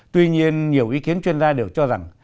tuy nhiên nhiều ý kiến chuyên gia đều cho rằng